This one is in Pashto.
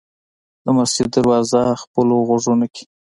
د مسجدونو دروازو خپلو غوږونو کې